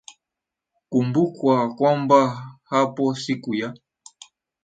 kumbukwa kwamba hapo siku ya